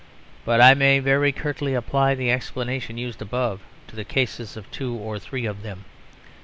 But I may very curtly apply the explanation used above to the cases of two or three of them.